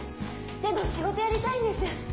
でも仕事やりたいんです。